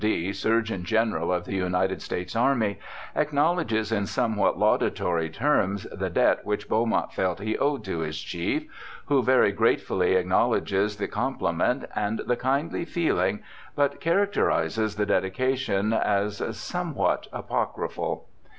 D., Surgeon General of the United States Army, acknowledges in somewhat laudatory A BACKWOOD PHYSIOLOGIST 171 terms the debt which Beaumont felt he owed to his chief, who very gratefully acknowledges the compli ment and the kindly feeling, but characterizes the dedi cation as ' somewhat apocryphal